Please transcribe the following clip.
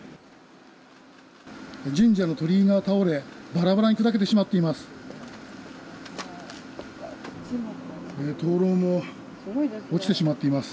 神社の鳥居が倒れバラバラに砕けてしまっています。